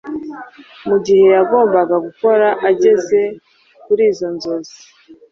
mu gihe yagombaga gukora ageze kuri izo nzozi.